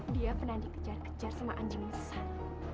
dia pernah dikejar kejar sama anjing nisan